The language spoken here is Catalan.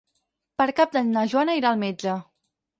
Per Cap d'Any na Joana irà al metge.